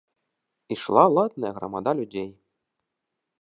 Ішла ладная грамада людзей.